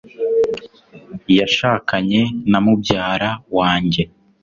yashakanye na mubyara wanjye